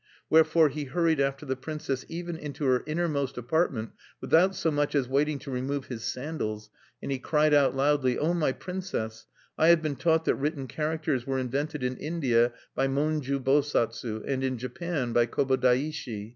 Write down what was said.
Wherefore he hurried after the princess even into her innermost apartment, without so much as waiting to remove his sandals, and he cried out loudly: "Oh, my princess! I have been taught that written characters were invented in India by Monju Bosatsu, and in Japan by Kobodaishi.